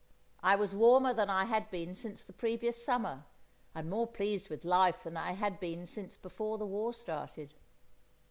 I was warmer than I had been since the previous summer, and more pleased with life than I had been since before the War started.